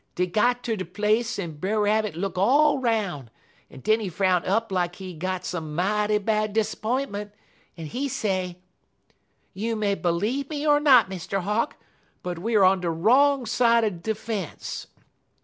Dey got ter de place en Brer Rabbit look all 'roun', en den he frown up like he got some mighty bad disap'intment, en he say: "'You may b'lieve me er not, Mr. Hawk, but we er on de wrong side er de fence.